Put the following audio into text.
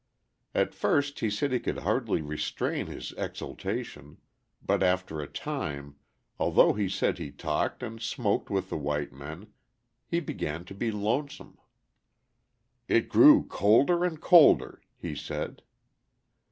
At first he said he could hardly restrain his exultation, but after a time, although he said he talked and smoked with the white men, he began to be lonesome. "It grew colder and colder," he said.